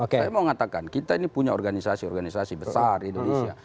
saya mau katakan kita ini punya organisasi organisasi besar di indonesia